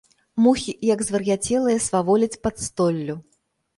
Мухі, як звар'яцелыя, сваволяць пад столлю.